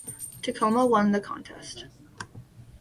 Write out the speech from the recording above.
Tacoma won the contest.